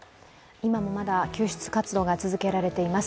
今もまだ救出活動が続けられています。